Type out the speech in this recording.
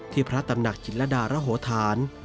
พระตำหนักจิลดารโหธาน